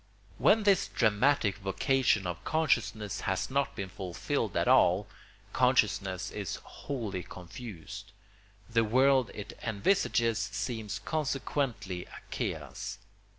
When this dramatic vocation of consciousness has not been fulfilled at all, consciousness is wholly confused; the world it envisages seems consequently a chaos.